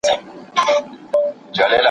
زه پرون انځور ګورم وم.